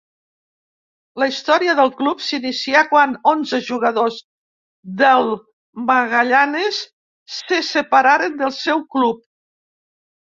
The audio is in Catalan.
La història del club s'inicià quan onze jugadors del Magallanes se separaren del seu club.